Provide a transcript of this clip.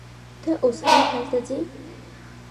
ته اوس هم هلته ځې